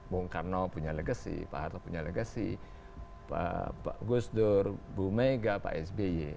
bu karno punya legacy pak harto punya legacy pak gusdur bu mega pak sby